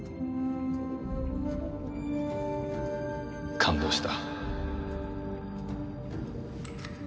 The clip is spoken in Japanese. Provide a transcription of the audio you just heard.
感動した。